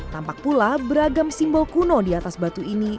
tampak pula beragam simbol kuno di atas batu ini